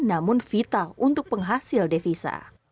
namun vital untuk penghasil devisa